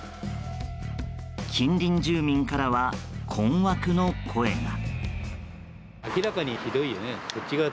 近隣住民からは困惑の声が。